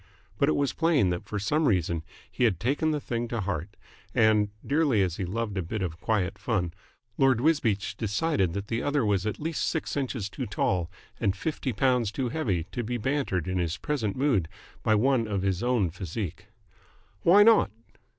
But it was plain that for some reason he had taken the thing to heart, and, dearly as he loved a bit of quiet fun, Lord Wisbeach decided that the other was at least six inches too tall and fifty pounds too heavy to be bantered in his present mood by one of his own physique. "Why not?"